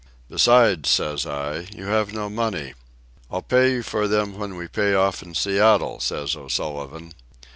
"Besides," says I, "you have no money." "I'll pay for them when we pay off in Seattle," says O'Sullivan.